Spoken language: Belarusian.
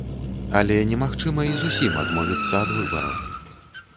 Але немагчыма і зусім адмовіцца ад выбараў.